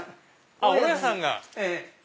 あっ大家さんが。